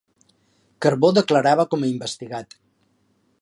Carbó declarava com a investigat